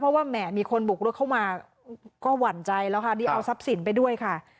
เพราะว่าแหมมีคนบุกรถเข้ามาก็หวั่นใจแล้วค่ะที่เอาทรัพย์สินไปด้วยค่ะ